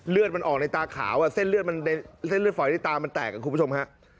เลือดมันออกในตาขาวเส้นเลือดฝอยในตามันแตกครับคุณผู้ชมฮะ